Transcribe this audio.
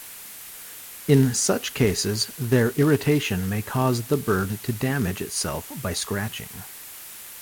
In such cases, their irritation may cause the bird to damage itself by scratching.